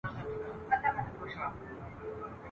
جوړه کړې په قلا کي یې غوغاوه ..